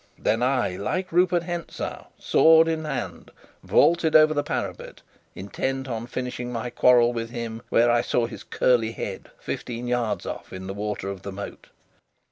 and then I, like Rupert of Hentzau, sword in hand, vaulted over the parapet, intent on finishing my quarrel with him where I saw his curly head fifteen yards off in the water of the moat.